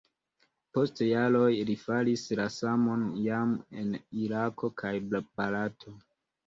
Post jaroj li faris la samon jam en Irako kaj Barato.